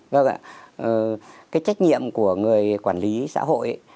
vâng ạ cái trách nhiệm của người quản lý xã hội